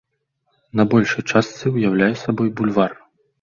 На большай частцы ўяўляе сабой бульвар.